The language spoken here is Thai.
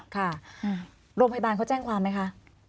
ค่ะโรงพยาบาลเขาแจ้งความไหมคะ